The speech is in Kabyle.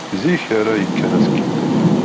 Zik ara yekker azekka.